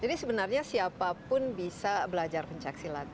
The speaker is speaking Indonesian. jadi sebenarnya siapapun bisa belajar pencaksilat ya